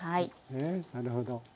なるほど。